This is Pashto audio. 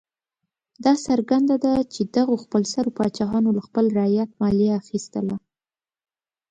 دا څرګنده ده چې دغو خپلسرو پاچاهانو له خپل رعیت مالیه اخیستله.